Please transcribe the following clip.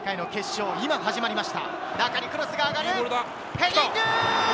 ヘディング！